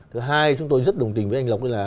thứ hai chúng tôi rất đồng tình với anh lộc là